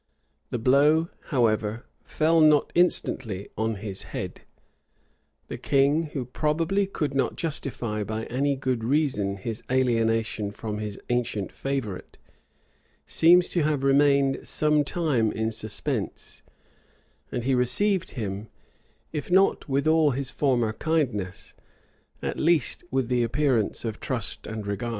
The blow, however, fell not instantly on his head. The king, who probably could not justify by any good reason his alienation from his ancient favorite, seems to have remained some time in suspense; and he received him, if not with all his former kindness, at least with the appearance of trust and regard.